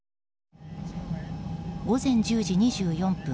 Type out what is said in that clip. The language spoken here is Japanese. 午前１０時２４分